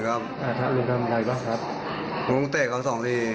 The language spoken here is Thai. แต่ถ้าลุงทำอะไรบ้างครับถ้าลุงเตะสองที